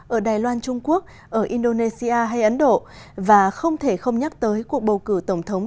ở đài loan trung quốc ở indonesia hay ấn độ và không thể không nhắc tới cuộc bầu cử tổng thống